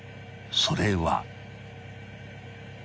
［それは］